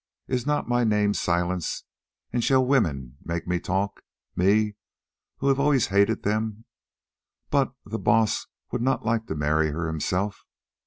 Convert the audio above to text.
Is not my name Silence, and shall women make me talk—me, who have always hated them? But—the Baas would not like to marry her himself?